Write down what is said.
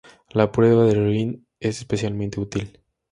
La prueba de Rinne es especialmente útil.